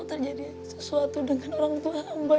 terjadi sesuatu dengan orang tua mbak